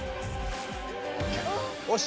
よし。